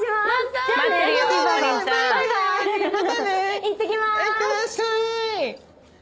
いってらっしゃーい！